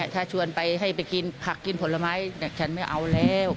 ถ้าชวนไปให้ไปกินผักกินผลไม้ฉันไม่เอาแล้ว